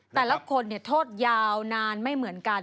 แต่ละคนโทษยาวนานไม่เหมือนกัน